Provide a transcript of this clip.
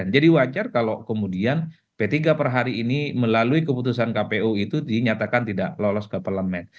jadi wajar kalau kemudian p tiga per hari ini melalui keputusan kpu itu dinyatakan tidak lolos ke parlement